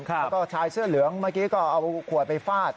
แล้วก็ชายเสื้อเหลืองเมื่อกี้ก็เอาขวดไปฟาด